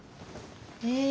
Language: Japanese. え。